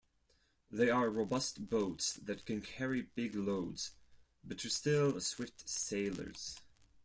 They are robust boats that can carry big loads, but are still swift sailers.